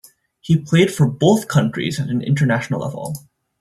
He played for both Countries at International level.